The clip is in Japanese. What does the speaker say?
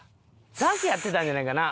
ダンスやってたんじゃないかな？